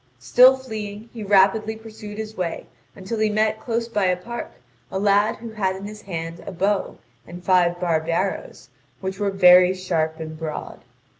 Still fleeing, he rapidly pursued his way until he met close by a park a lad who had in his hand a bow and five barbed arrows, which were very sharp and broad.